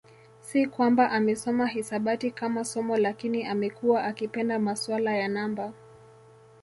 Si kwamba amesoma hisabati kama somo lakini amekuwa akipenda masuala ya namba